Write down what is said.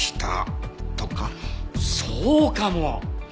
そうかも！